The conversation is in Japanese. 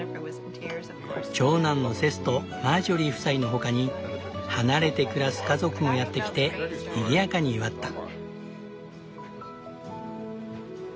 長男のセスとマージョリー夫妻の他に離れて暮らす家族もやって来てにぎやかに祝った。